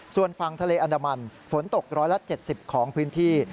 ส่วนฝั่งทะเลอันดามันฝนตก๑๗๐ของพื้นที่